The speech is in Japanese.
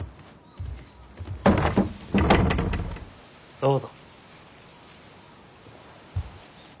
どうぞ。